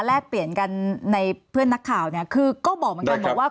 แลกเปลี่ยนกันในเพื่อนนักข่าวเนี่ยคือก็บอกเหมือนกันบอกว่า